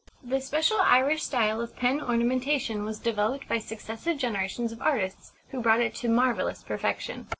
The special Irish style of pen ornamentation was developed by successive generations of artists, who brought it to marvellous perfection.